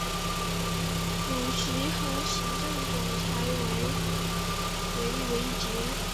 主席和行政总裁为韦杰。